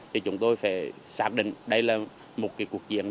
thì chúng tôi phải xác định đây là một cái cuộc chiến